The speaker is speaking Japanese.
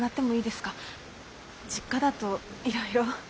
実家だといろいろ。